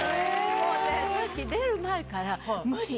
さっき出る前から無理！